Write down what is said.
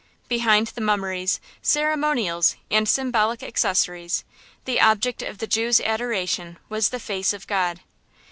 Behind the mummeries, ceremonials, and symbolic accessories, the object of the Jew's adoration was the face of God.